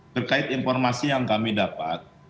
terkait informasi yang kami dapat